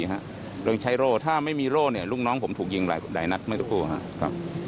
เราก็ใช้โล่ถ้าไม่มีโล่ลูกน้องผมถูกยิงหลายนัก